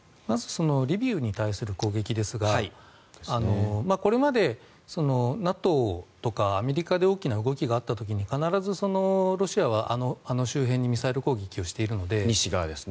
まずリビウに対する攻撃ですがこれまでＮＡＴＯとかアメリカで大きな動きがあった時に必ずロシアはあの周辺にミサイル攻撃をしているので。